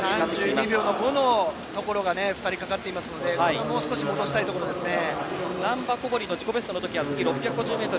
３２秒５のところがかかっていますのでもう少し戻したいところですね。